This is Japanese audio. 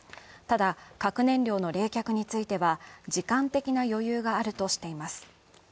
ただ、核燃料の冷却については時間的な余裕があるとしています。